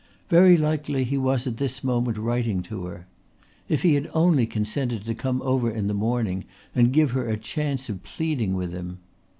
Very likely he was at this moment writing to her. If he had only consented to come over in the morning and give her the chance of pleading with him!